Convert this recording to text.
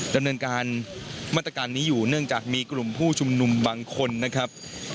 ดำเนินการมาตรการนี้อยู่เนื่องจากมีกลุ่มผู้ชุมนุมบางคนนะครับ